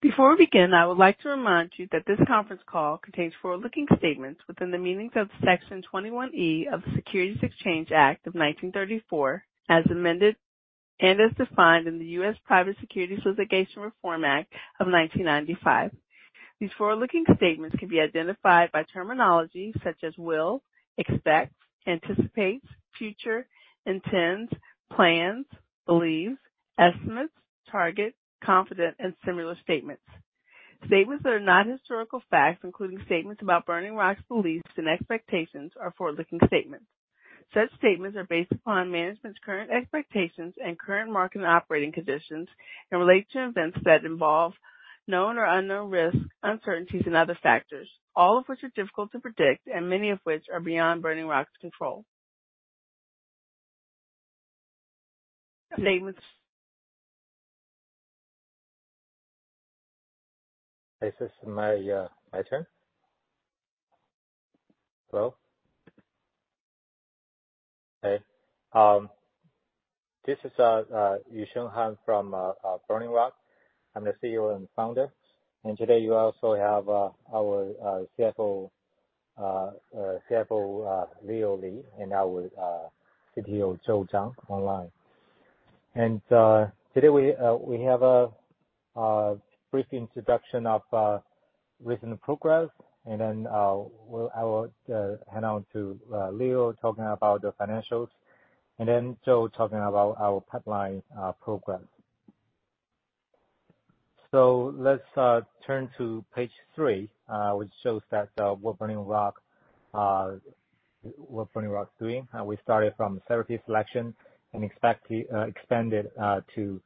Before we begin, I would like to remind you that this conference call contains forward-looking statements within the meanings of Section 21E of the Securities Exchange Act of 1934, as amended and as defined in the US Private Securities Litigation Reform Act of 1995. These forward-looking statements can be identified by terminology such as will, expect, anticipate, future, intends, plans, believes, estimates, target, confident, and similar statements. Statements that are not historical facts, including statements about Burning Rock's beliefs and expectations, are forward-looking statements. Such statements are based upon management's current expectations and current market operating conditions and relate to events that involve known or unknown risks, uncertainties and other factors, all of which are difficult to predict and many of which are beyond Burning Rock's control. Statements. This is my turn? Hello? Hey, this is Yusheng Han from Burning Rock. I'm the CEO and founder, and today you also have our CFO, Leo Li, and our CTO, Joe Zhang, online. Today we have a brief introduction of recent progress, and then we'll -- I will hand out to Leo, talking about the financials, and then Joe talking about our pipeline progress. So, let's turn to page three, which shows that what Burning Rock is doing. We started from therapy selection and expect expanded to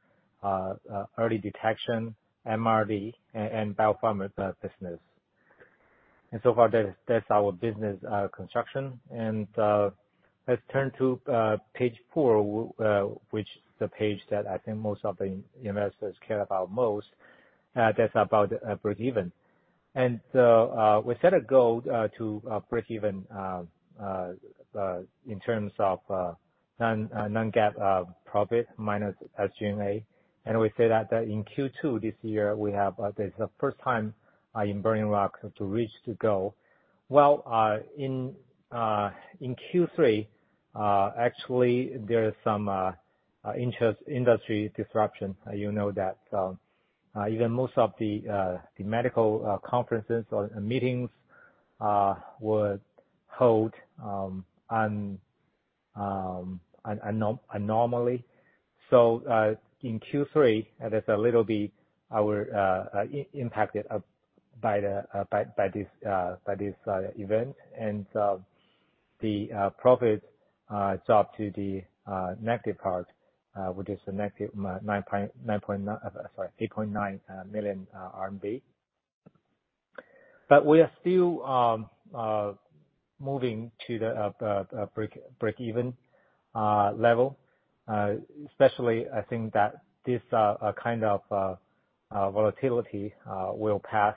early detection, MRD, and biopharma business. So far, that is, that's our business construction. Let's turn to page 4, which is the page that I think most of the investors, care about most, that's about breakeven. We set a goal to breakeven in terms of non-GAAP profit minus SG&A. We say that in second quarter this year, that's the first time in Burning Rock to reach the goal. Well, in third quarter, actually, there is some interesting industry disruption. You know that even most of the medical conferences or meetings were held abnormally. So, in third quarter, we were a little bit impacted by this event. The profit dropped to the negative part, which is a negative, sorry, 8.9 million RMB. But we are still moving to the breakeven level. Especially, I think that this kind of volatility will pass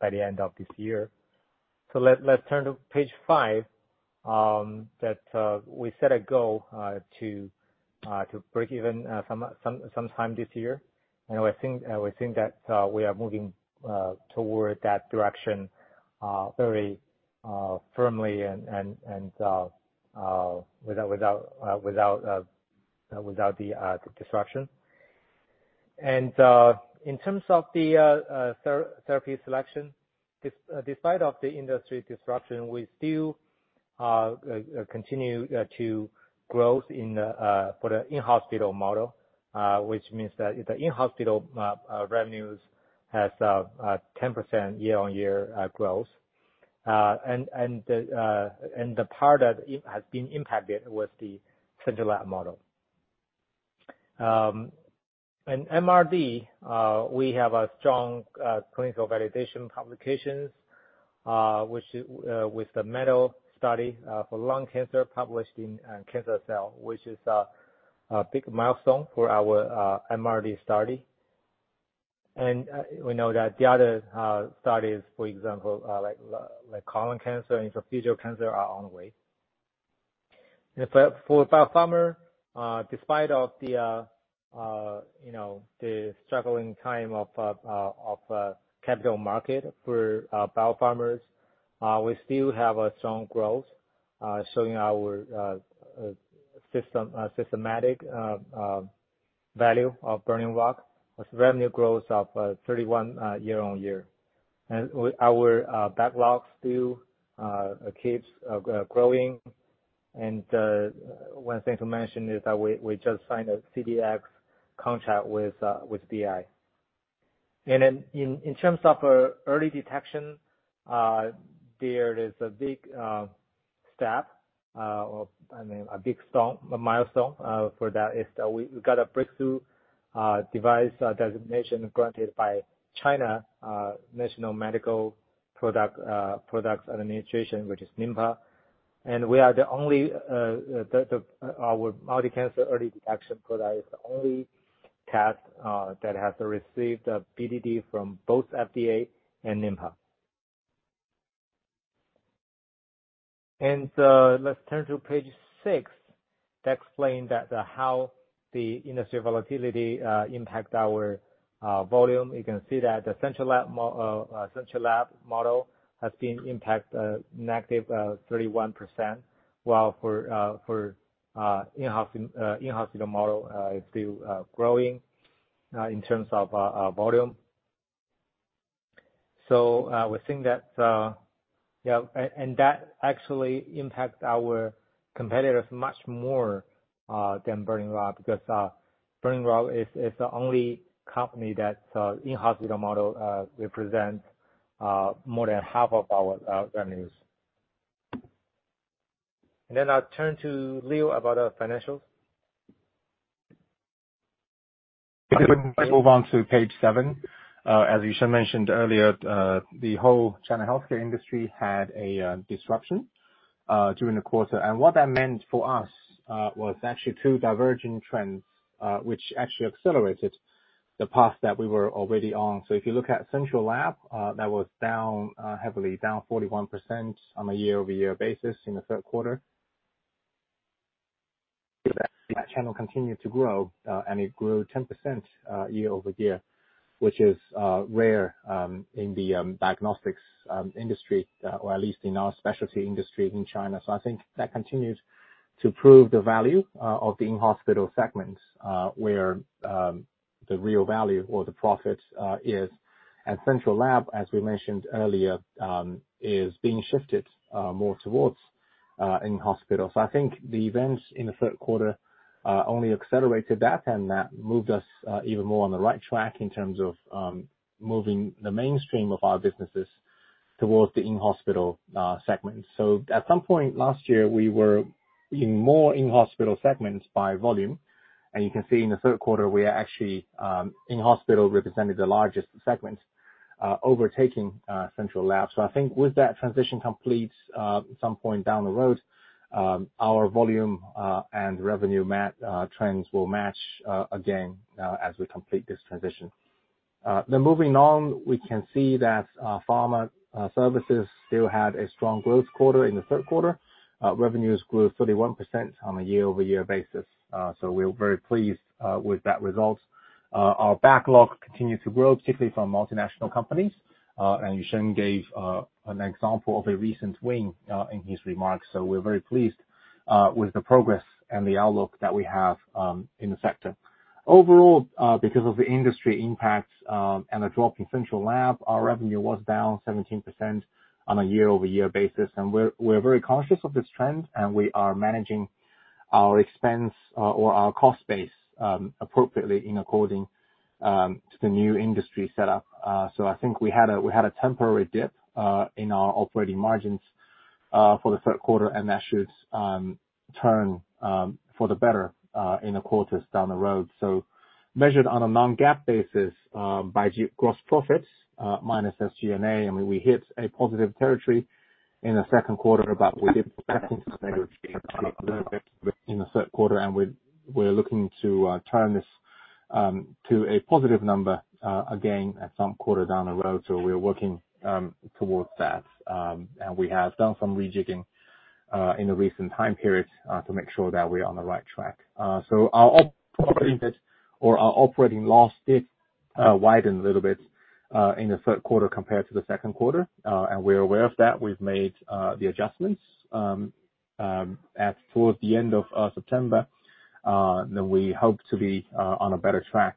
by the end of this year. So let's turn to page 5, that we set a goal to breakeven sometime this year. And we think that we are moving toward that direction very firmly and without the disruption. In terms of the therapy selection, despite of the industry disruption, we still continue to growth in for the in-hospital model, which means that the in-hospital revenues has a 10% year-over-year growth. And the part that has been impacted was the central lab model. In MRD, we have a strong clinical validation publications, which is with the MEDAL study for lung cancer published in Cancer Cell, which is a big milestone for our MRD study. And we know that the other studies, for example, like, like colon cancer and esophageal cancer, are on the way. For biopharma, despite of the, you know, the struggling time of capital market for biopharmas, we still have a strong growth showing our systematic value of Burning Rock, with revenue growth of 31 year-on-year. And our backlogs still keeps growing. And one thing to mention is that we just signed a CDx contract with BI. And then in terms of early detection, there is a big step, or I mean, a big stone - a milestone, for that is that we got a breakthrough device designation granted by China National Medical Products Administration, which is NMPA. And we are the only, the, our multi-cancer early detection product is the only test that has received a BDD from both FDA and NMPA. And, let's turn to page six. That explain that, how the industry volatility impact our volume. You can see that the central lab model has been impacted negative 31%, while for for in-hospital in-hospital model is still growing in terms of volume. So, we think that, yeah, and that actually impacts our competitors much more than Burning Rock, because Burning Rock is the only company that in-hospital model represents more than half of our revenues. And then I'll turn to Leo about our financials. Move on to page 7. As you mentioned earlier, the whole China healthcare industry had a disruption during the quarter. And what that meant for us was actually two divergent trends, which actually accelerated the path that we were already on. So if you look at central lab, that was down heavily, down 41% on a year-over-year basis in the third quarter. That channel continued to grow, and it grew 10% year-over-year, which is rare in the diagnostics industry or at least in our specialty industry in China. So I think that continues to prove the value of the in-hospital segment, where the real value or the profit is. And central lab, as we mentioned earlier, is being shifted more towards in-hospital. So I think the events in the third quarter only accelerated that, and that moved us even more on the right track in terms of moving the mainstream of our businesses towards the in-hospital segment. So at some point last year, we were in more in-hospital segments by volume, and you can see in the third quarter, we are actually in-hospital represented the largest segment, overtaking central lab. So I think with that transition complete, at some point down the road, our volume and revenue trends will match again as we complete this transition. Then moving on, we can see that pharma services still had a strong growth quarter in the third quarter. Revenues grew 31% on a year-over-year basis, so we're very pleased with that result. Our backlog continued to grow, particularly from multinational companies, and Yusheng gave an example of a recent win in his remarks. So we're very pleased with the progress and the outlook that we have in the sector. Overall, because of the industry impacts and a drop in central lab, our revenue was down 17% on a year-over-year basis, and we're, we're very conscious of this trend, and we are managing our expense, or our cost base, appropriately in accordance to the new industry setup. So I think we had a, we had a temporary dip in our operating margins for the third quarter, and that should turn for the better in the quarters down the road. So measured on a Non-GAAP basis, by gross profit, minus SG&A, I mean, we hit a positive territory in the second quarter, but we didn't in the third quarter, and we're looking to turn this to a positive number again at some quarter down the road. So we're working towards that, and we have done some rejigging in the recent time period to make sure that we're on the right track. So our operating loss did widen a little bit in the third quarter compared to the second quarter, and we're aware of that. We've made the adjustments towards the end of September, then we hope to be on a better track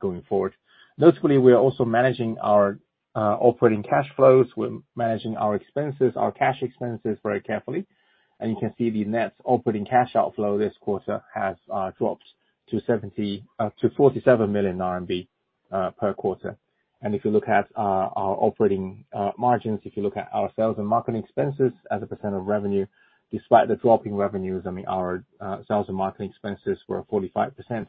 going forward. Notably, we are also managing our operating cash flows, we're managing our expenses, our cash expenses very carefully. And you can see the net operating cash outflow this quarter has dropped to 47 million RMB per quarter. And if you look at our operating margins, if you look at our sales and marketing expenses as a percent of revenue, despite the drop in revenues, I mean, our sales and marketing expenses were 45%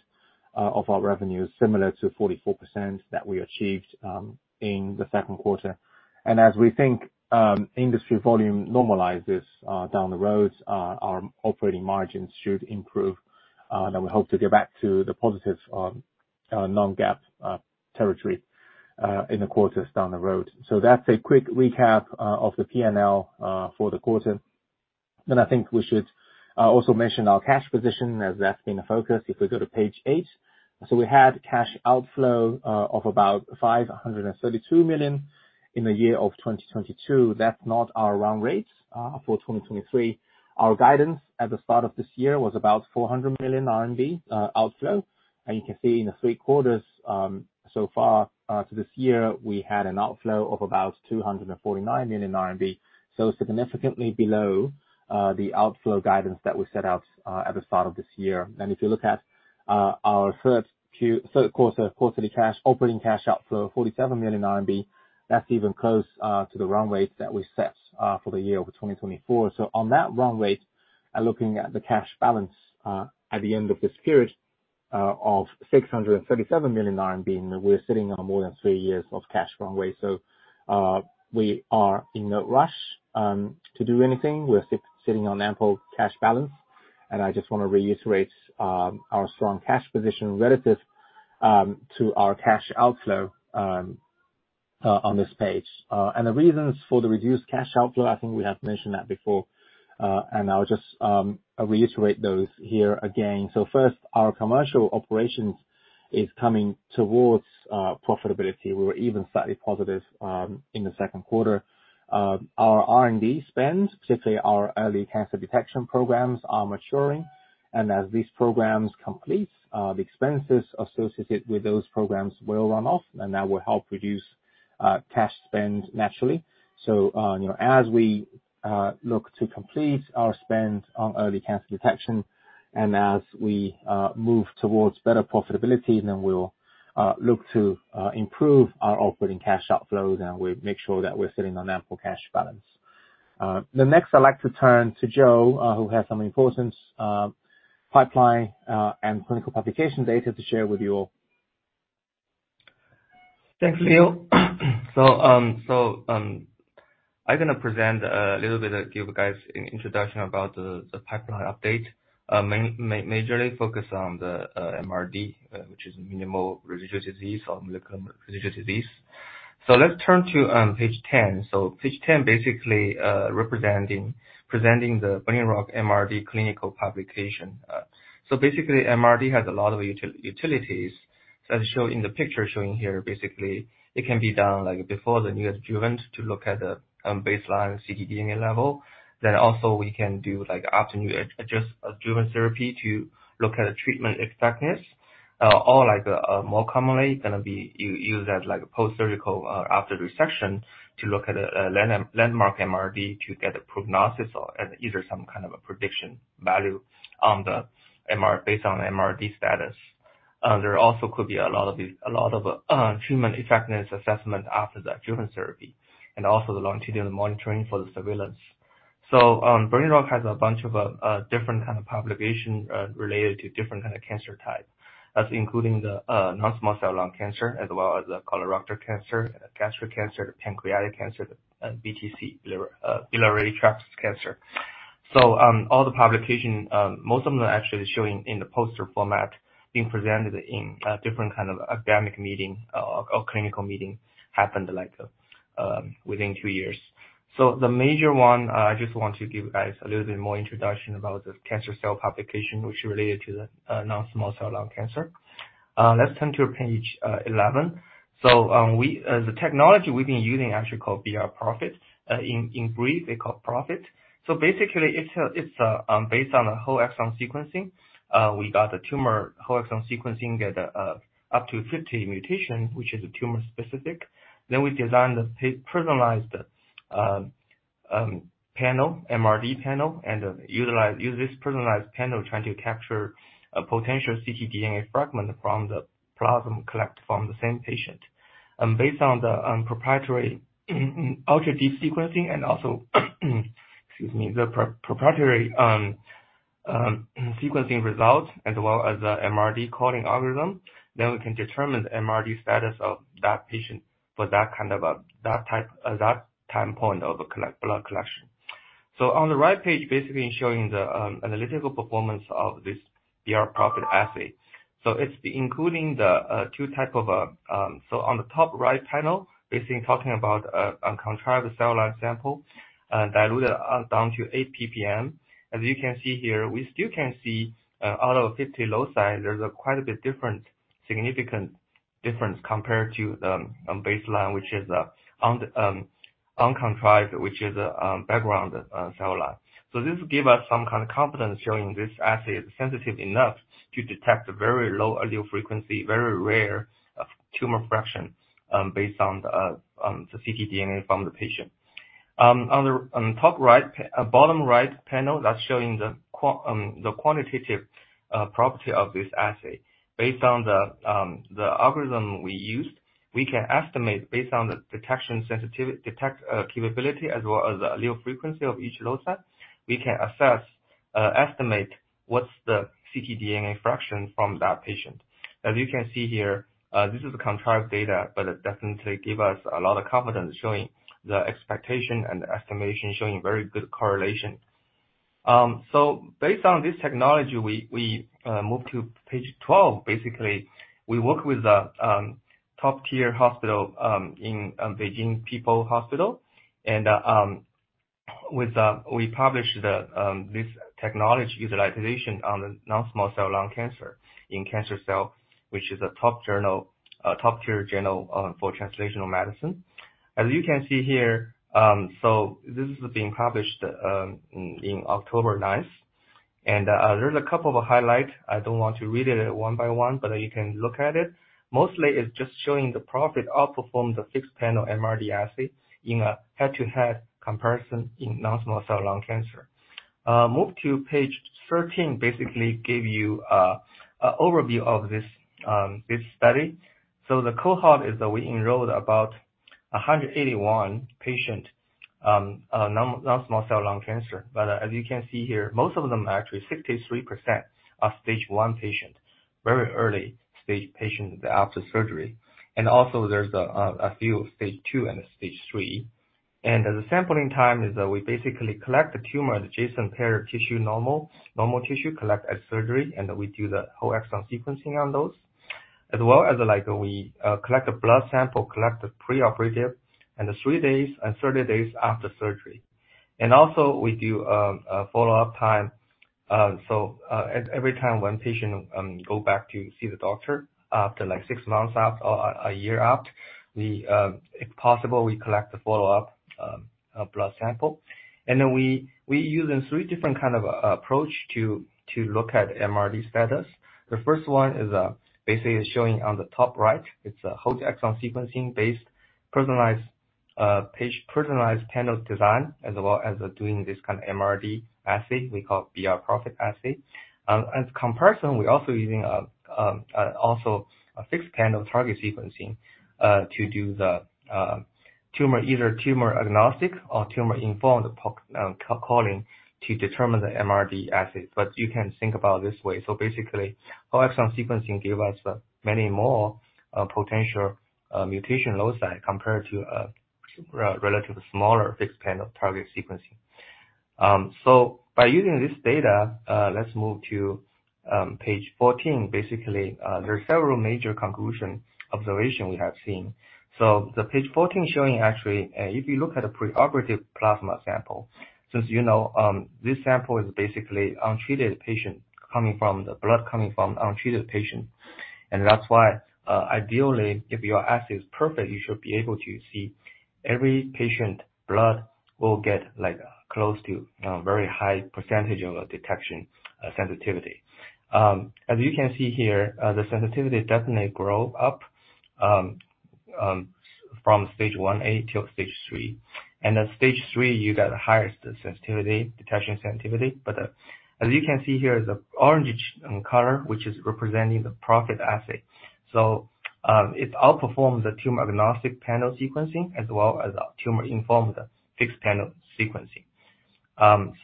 of our revenues, similar to 44% that we achieved in the second quarter. And as we think industry volume normalizes down the road, our operating margins should improve, and we hope to get back to the positive Non-GAAP territory in the quarters down the road. So that's a quick recap of the PNL for the quarter. Then I think we should also mention our cash position, as that's been a focus, if we go to page 8. So we had cash outflow of about 532 million in the year of 2022. That's not our run rate for 2023. Our guidance at the start of this year was about 400 million RMB outflow, and you can see in the three quarters so far to this year, we had an outflow of about 249 million RMB. So significantly below the outflow guidance that we set out at the start of this year. If you look at our third quarter quarterly cash operating cash outflow, 47 million RMB, that's even close to the run rate that we set for the year over 2024. So on that run rate, and looking at the cash balance at the end of this period of 637 million RMB, we're sitting on more than three years of cash runway. So we are in no rush to do anything. We're sitting on ample cash balance, and I just want to reiterate our strong cash position relative to our cash outflow on this page. And the reasons for the reduced cash outflow, I think we have mentioned that before, and I'll just reiterate those here again. So first, our commercial operations is coming towards profitability. We were even slightly positive in the second quarter. Our R&D spend, specifically our early cancer detection programs, are maturing. As these programs complete, the expenses associated with those programs will run off, and that will help reduce cash spend naturally. So, you know, as we look to complete our spend on early cancer detection and as we move towards better profitability, then we'll look to improve our operating cash outflows, and we make sure that we're sitting on ample cash balance. The next, I'd like to turn to Joe, who has some important pipeline and clinical publication data to share with you all. Thanks, Leo. So, so, I'm going to present, a little bit, give you guys an introduction about the, the pipeline update. Majorly focus on the, MRD, which is minimal residual disease or molecular residual disease. So let's turn to, page 10. So page 10, basically, representing, presenting the Burning Rock MRD clinical publication. So basically, MRD has a lot of utilities, as shown in the picture showing here, basically, it can be done, like, before the new adjuvant to look at the, baseline ctDNA level. Then also we can do, like, after new adjuvant therapy to look at the treatment effectiveness. Or like, more commonly, going to be used as, like, a post-surgical, after resection, to look at a landmark MRD to get a prognosis or, either some kind of a prediction value on the MR, based on the MRD status. There also could be a lot of these, a lot of treatment effectiveness assessment after that adjuvant therapy, and also the longitudinal monitoring for the surveillance. So, Burning Rock has a bunch of different kind of publication, related to different kind of cancer type. That's including the non-small cell lung cancer, as well as the colorectal cancer, gastric cancer, pancreatic cancer, and BTC, biliary tract cancer. So, all the publication, most of them are actually showing in the poster format, being presented in a different kind of academic meeting or clinical meeting, happened like within two years. So the major one, I just want to give you guys a little bit more introduction about the Cancer Cell publication, which is related to the non-small cell lung cancer. Let's turn to page 11. So, the technology we've been using actually called brPROPHET. In brief, they call Prophet. So basically, it's a based on a whole exome sequencing. We got the tumor whole exome sequencing, get up to 50 mutation, which is a tumor specific. Then we design the personalized panel, MRD panel, and use this personalized panel, trying to capture a potential ctDNA fragment from the plasma collected from the same patient. Based on the proprietary ultra deep sequencing and also, excuse me, the proprietary sequencing results, as well as the MRD coding algorithm, then we can determine the MRD status of that patient for that time point of blood collection. So, on the right page, basically showing the analytical performance of this brPROPHET assay. So, it's including the two type of... So, on the top right panel, basically talking about uncontrived cell line sample diluted down to 8 ppm. As you can see here, we still can see, out of 50 loci, there's quite a bit different, significant difference compared to the baseline, which is uncontrived, which is background cell line. So this give us some kind of confidence showing this assay is sensitive enough to detect a very low allele frequency, very rare tumor fraction, based on the on the ctDNA from the patient. On the on the top right bottom right panel, that's showing the quantitative property of this assay. Based on the the algorithm we used, we can estimate, based on the detection sensitivity, detect capability, as well as the allele frequency of each locus, we can assess estimate what's the ctDNA fraction from that patient. As you can see here, this is contrived data, but it definitely give us a lot of confidence showing the expectation and the estimation, showing very good correlation. So based on this technology, we move to page 12. Basically, we work with a top-tier hospital in Beijing People's Hospital, and we published this technology utilization on non-small cell lung cancer in Cancer Cell, which is a top journal, top-tier journal, for translational medicine. As you can see here, so this is being published in October 9. And there's a couple of highlights. I don't want to read it one by one, but you can look at it. Mostly, it's just showing the brPROPHET outperformed the fixed-panel MRD assay in a head-to-head comparison in non-small cell lung cancer. Move to page 13, basically give you an overview of this study. So, the cohort is that we enrolled about 181 patients non-small cell lung cancer. But as you can see here, most of them are actually 63% are Stage 1 patients, very early-stage patients after surgery. And also, there's a few Stage 2 and Stage 3. And the sampling time is, we basically collect the tumor, adjacent pair of tissue, normal tissue, collect at surgery, and we do the whole exome sequencing on those. As well as we collect a blood sample, collect the preoperative, and three days and 30 days after surgery. Also, we do a follow-up time, so at every time one patient go back to see the doctor, after, like, six months after or a year after, we, if possible, collect the follow-up blood sample. Then we using three different kind of approach to look at MRD status. The first one is basically showing on the top right. It's a whole exome sequencing based personalized panel design, as well as doing this kind of MRD assay we call brPROPHET assay. As comparison, we're also using also a fixed panel target sequencing to do the tumor either tumor-agnostic or tumor-informed calling to determine the MRD assay. But you can think about it this way, so basically, whole exome sequencing give us many more potential mutation loci compared to relatively smaller fixed panel target sequencing. So by using this data, let's move to page 14. Basically, there are several major conclusion observation we have seen. So the page 14 showing actually, if you look at the preoperative plasma sample, since you know, this sample is basically blood coming from untreated patient. And that's why, ideally, if your assay is perfect, you should be able to see every patient blood will get, like, close to very high percentage of detection sensitivity. As you can see here, the sensitivity definitely grow up from Stage 1A till Stage 3. At Stage 3, you get a higher sensitivity, detection sensitivity. But, as you can see here, the orange-ish color, which is representing the profit assay. So, it outperforms the tumor-agnostic panel sequencing, as well as the tumor-informed fixed panel sequencing.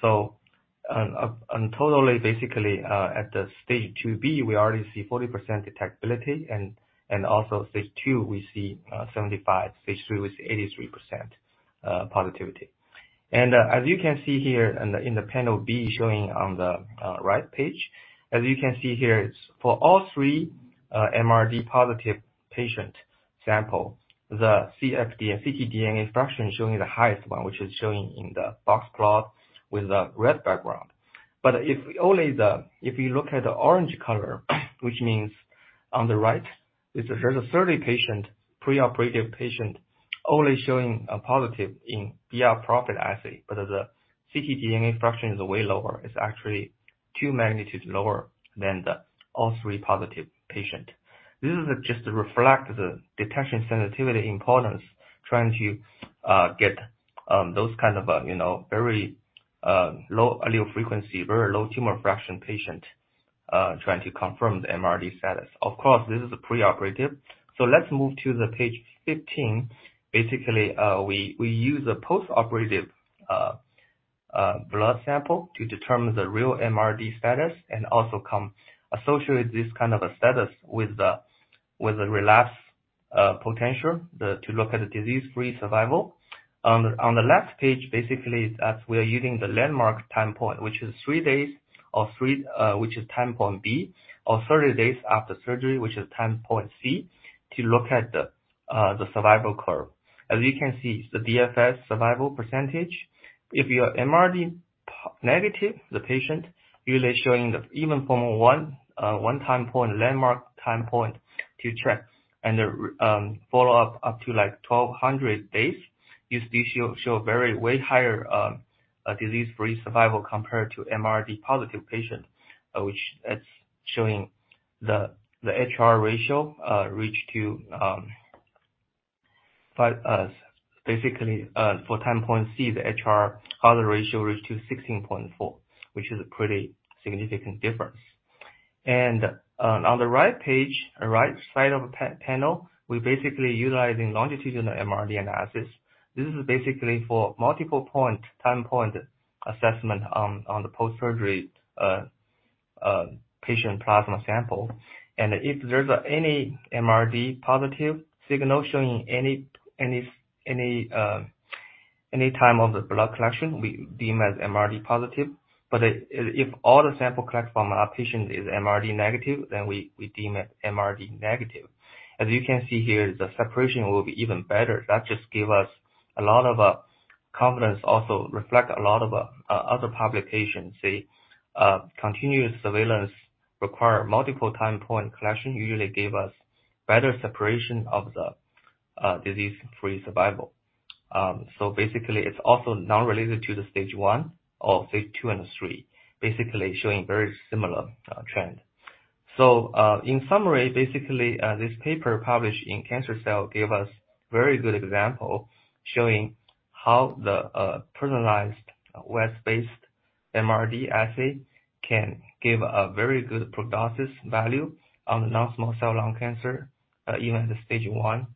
So, and totally, basically, at the Stage 2B, we already see 40% detectability, and also Stage 2, we see 75%, Stage 3 we see 83% positivity. As you can see here in the panel B, showing on the right page, as you can see here, it's for all three MRD positive patient sample, the cfDNA, ctDNA fraction showing the highest one, which is showing in the box plot with a red background. But if you look at the orange color, which means on the right, there's a 30 patient, preoperative patient, only showing a positive in brPROPHET assay. But the ctDNA fraction is way lower. It's actually two magnitudes lower than the all three positive patient. This is just to reflect the detection sensitivity importance, trying to get those kind of, you know, very low allele frequency, very low tumor fraction patient, trying to confirm the MRD status. Of course, this is a preoperative. So let's move to the page 15. Basically, we use a postoperative blood sample to determine the real MRD status and also come associate this kind of a status with the relapse potential, to look at the disease-free survival. On the left page, basically, as we are using the landmark time point, which is three days or three... Which is time point B, or 30 days after surgery, which is time point C, to look at the survival curve. As you can see, the DFS survival percentage, if your MRD negative, the patient usually showing the even from one time point, landmark time point to track. And the follow-up up to, like, 1,200 days, you still show, show very way higher disease-free survival compared to MRD positive patient, which that's showing the HR ratio reach to 5, basically, for time point C, the HR hazard ratio reach to 16.4, which is a pretty significant difference. On the right side of the panel, we're basically utilizing longitudinal MRD analysis. This is basically for multiple point, time point assessment on the post-surgery patient plasma sample. If there's any MRD positive signal showing any time of the blood collection, we deem as MRD positive. But if all the sample collected from our patient is MRD negative, then we deem it MRD negative. As you can see here, the separation will be even better. That just give us a lot of confidence, also reflect a lot of other publications. The continuous surveillance require multiple time point collection usually give us better separation of the disease-free survival. So basically, it's also now related to the Stage 1 or Stage 2 and 3, basically showing very similar trend. So, in summary, basically, this paper published in Cancer Cell gave us very good example, showing how the personalized WES-based MRD assay can give a very good prognosis value on the non-small cell lung cancer, even at the Stage 1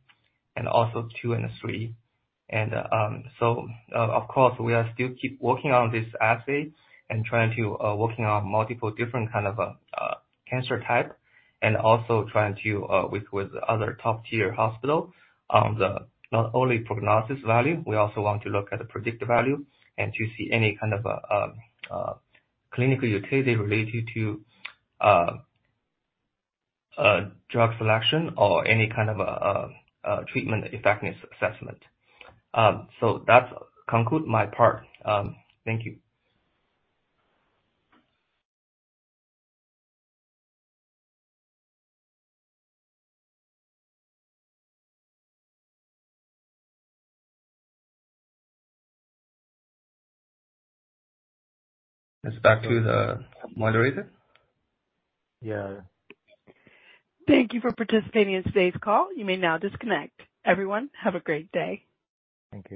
and also 2 and 3. And, so, of course, we are still keep working on this assay and trying to working on multiple different kind of cancer type, and also trying to, with other top-tier hospital, on the not only prognosis value, we also want to look at the predictive value and to see any kind of clinical utility related to drug selection or any kind of treatment effectiveness assessment. So that conclude my part. Thank you. It's back to the moderator? Yeah. Thank you for participating in today's call. You may now disconnect. Everyone, have a great day. Thank you.